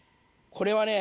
これはね